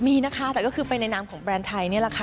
มีนะคะแต่ก็คือไปในนามของแบรนด์ไทยนี่แหละค่ะ